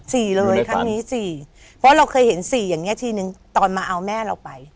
สี่เลยครั้งนี้สี่เพราะเราเคยเห็นสี่อย่างเงี้ทีนึงตอนมาเอาแม่เราไป